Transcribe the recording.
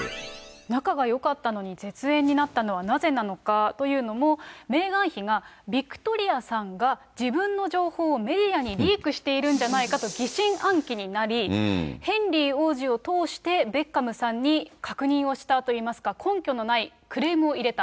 仲がよかったのに絶縁になったのはなぜなのかというのも、メーガン妃がビクトリアさんが自分の情報をメディアにリークしているんじゃないかと疑心暗鬼になり、ヘンリー王子を通して、ベッカムさんに確認をしたといいますか、根拠のないクレームを入れた。